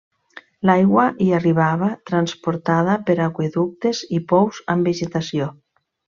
L'aigua hi arribava transportada per aqüeductes i pous amb vegetació.